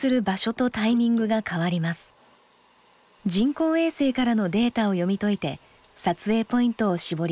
人工衛星からのデータを読み解いて撮影ポイントを絞り込みます。